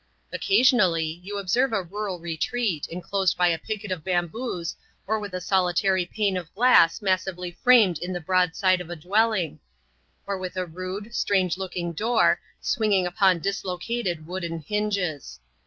Occasionally, you observe a rural retreat, inclosed by a picket of bamboos, or with a solitary pane of glass massively framed in the broadside of the dwelling, or with a rude, strange looking door, swinging upon dislocated wooden hinges.